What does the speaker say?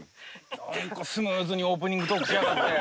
なんかスムーズにオープニングトークしやがって。